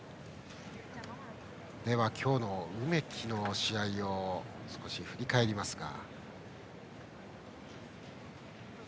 今日の梅木の試合を少し振り返りますか。